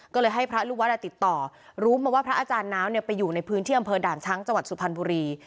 ก็เลยให้พระลูกวัดติดต่อรู้มาว่าพระอาจารย์น้าวไปอยู่ในพื้นที่อำเภอด่านช้างจังหวัดสุพรรณบุรี